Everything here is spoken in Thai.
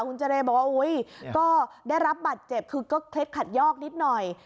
คุณเจรบอกว่าอุ๊ยก็ได้รับบัตรเจ็บคือก็เคล็ดขัดยอกนิดหน่อย